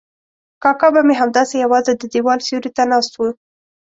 کاکا به مې همداسې یوازې د دیوال سیوري ته ناست و.